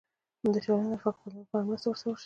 د چلند او فکر بدلولو لپاره مرسته ورسره وشي.